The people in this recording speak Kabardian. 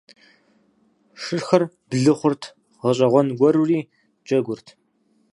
Шырхэр блы хъурт, гъэщӀэгъуэн гуэрури джэгурт.